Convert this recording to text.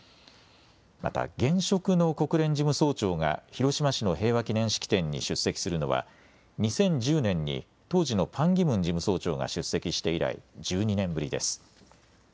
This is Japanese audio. また現職の国連事務総長が広島市の平和記念式典に出席するのは２０１０年に当時のパン・ギムン事務総長が出席して以来１２年ぶりです。